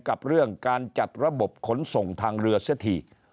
กับเรื่องการจัดระบบขนส่งทางเรือเสียที